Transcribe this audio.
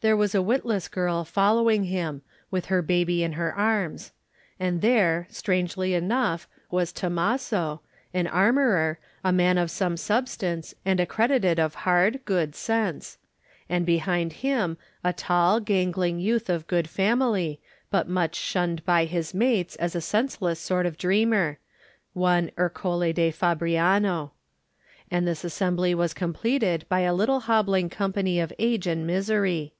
There was a witless girl following him, with her baby in her arms; and there, strangely enough, was Tommaso, an ar morer, a man of some substance and ac credited of hard, good sense; and behind 49 Digitized by Google THE NINTH MAN him a tall, gangling youth of good family, but much shunned by his mates as a sense less sort of dreamer, one Ercole de Fabriano. And this assembly i\as completed by a little hobbling company of age and misery.